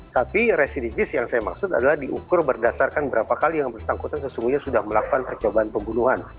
tapi residis yang saya maksud adalah diukur berdasarkan berapa kali yang bersangkutan sesungguhnya sudah melakukan percobaan pembunuhan